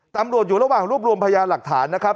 ตำรวจอยู่ระหว่างรวบรวมพยานหลักฐานนะครับ